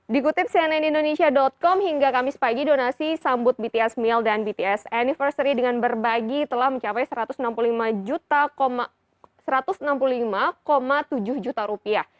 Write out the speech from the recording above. dikutip cnnindonesia com hingga kamis pagi donasi sambut bts meal dan bts anniversary dengan berbagi telah mencapai satu ratus enam puluh lima tujuh juta rupiah